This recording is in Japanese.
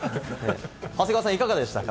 長谷川さん、いかがでしたか？